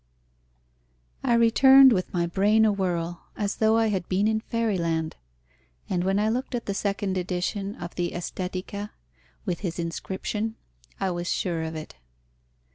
I returned with my brain awhirl, as though I had been in fairyland, and when I looked at the second edition of the Estetica, with his inscription, I was sure of it.